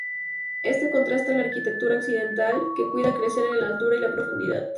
Este contrasta la arquitectura occidental, que cuida crecer en la altura y la profundidad.